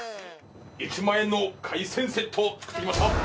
１万円の海鮮セット作ってきました。